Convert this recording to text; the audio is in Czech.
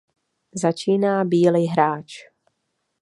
Začíná bílý hráč.